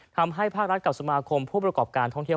ทำให้ภาครัฐกับสมาคมผู้ประกอบการท่องเที่ยว